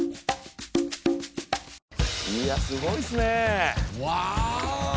いやすごいですね。わ。